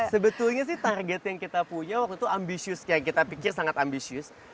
sebetulnya sih target yang kita punya waktu itu ambisius yang kita pikir sangat ambisius